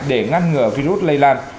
để ngăn ngừa virus lây lan